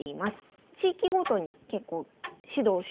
地域ごとに結構指導してる。